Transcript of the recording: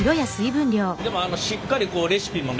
でもあのしっかりレシピもね